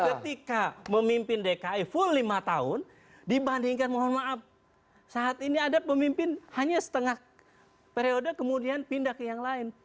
ketika memimpin dki full lima tahun dibandingkan mohon maaf saat ini ada pemimpin hanya setengah periode kemudian pindah ke yang lain